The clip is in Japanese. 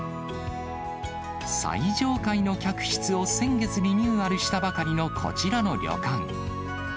最上階の客室を先月リニューアルしたばかりのこちらの旅館。